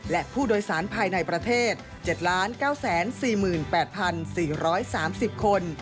และผู้โดยสารภายในประเทศ๗๙๔๘๔๓๐คน